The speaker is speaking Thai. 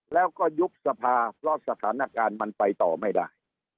แล้วก็ยุบสภาเพราะสถานการณ์มันไปต่อไม่ได้